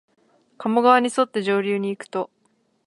加茂川にそって上流にいくと、